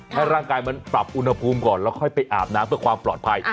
ให้ร่างกายมันปรับอุณหภูมิก่อนแล้วค่อยไปอาบน้ำเพื่อความปลอดภัย